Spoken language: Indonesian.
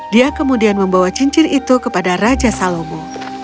dia kemudian membawa cincin itu kepada raja salomo